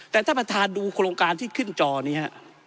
แต่ท่านประธานดูโครงการที่ขึ้นจอนี้ฮะ